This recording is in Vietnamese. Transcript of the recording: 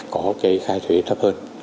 có cái khai thuế thấp hơn